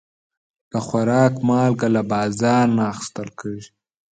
د خوراک مالګه له بازار نه اخیستل کېږي.